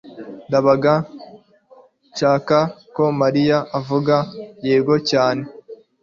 ndabaga ashaka ko mariya avuga yego cyane